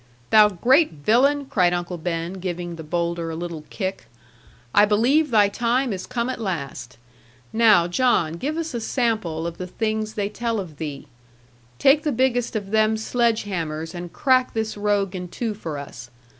'Thou great villain!' cried Uncle Ben, giving the boulder a little kick; 'I believe thy time is come at last. Now, John, give us a sample of the things they tell of thee. Take the biggest of them sledge hammers and crack this rogue in two for us.